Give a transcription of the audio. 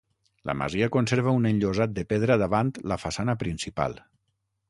La masia conserva un enllosat de pedra davant la façana principal.